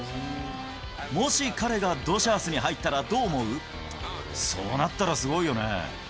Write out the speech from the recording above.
もし彼がドジャースに入ったそうなったらすごいよね。